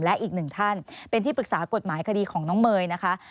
และอีกหนึ่งท่านเป็นที่ปรึกษากฎหมายคดีของน้องเมย์นะคะ